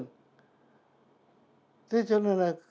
chúng tôi tổ chức đưa lên sóng để tuyên truyền